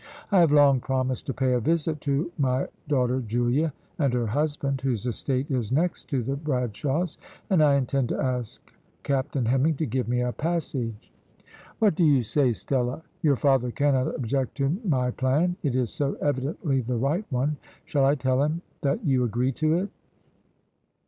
"I have long promised to pay a visit to my daughter Julia and her husband, whose estate is next to the Bradshaws, and I intend to ask Captain Hemming to give me a passage. What do you say, Stella? Your father cannot object to my plan it is so evidently the right one. Shall I tell him that you agree to it?"